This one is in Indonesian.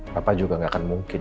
bapak juga gak akan mungkin